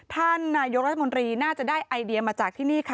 ท่านนายกรัฐมนตรีน่าจะได้ไอเดียมาจากที่นี่ค่ะ